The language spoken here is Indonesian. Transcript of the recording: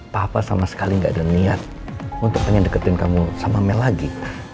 papa sama sekali gak ada niat untuk pengen deketin kamu sama mel lagi